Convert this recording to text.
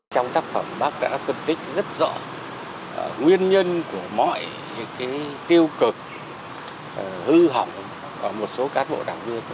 trong tác phẩm bác đã phân tích rất rõ nguyên nhân của mọi tiêu cực hư hỏng ở một số cán bộ đảng viên